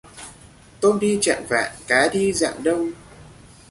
Tôm đi chạng vạng, cá đi rạng đông.